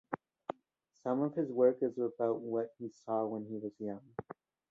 Some of his work is about what he saw when he was young.